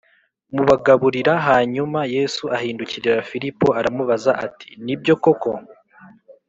mubagaburira Hanyuma Yesu ahindukirira Filipo aramubaza ati nibyo koko